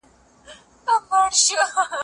ته ولي اوبه پاکوې،